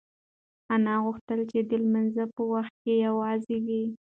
انا غوښتل چې د لمانځه په وخت کې یوازې وي.